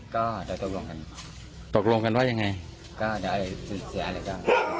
ก็จะตกลงกันตกลงกันว่ายังไงก็จะเอาให้สุดเสียอะไรก็